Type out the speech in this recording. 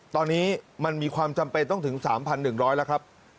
ตอนนี้มันมีความจำเป็นต้องถึง๓๑๐๐แล้วครับ